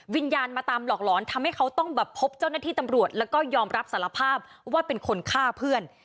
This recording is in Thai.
วิญญาณมาตามหลอกหลอนทำให้เขาต้องแบบพบเจ้าหน้าที่ตำรวจแล้วก็ยอมรับสารภาพว่าเป็นคนฆ่าเพื่อน